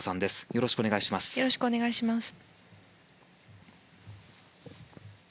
よろしくお願いします。